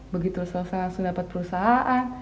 begitu selesai langsung dapat perusahaan